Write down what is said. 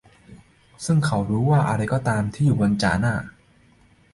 ซึ่งเขาควรรู้ว่าอะไรก็ตามที่อยู่บนจ่าหน้า